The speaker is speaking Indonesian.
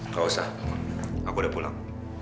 gak usah aku udah pulang